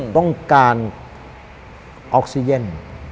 ต้องการออกเซียน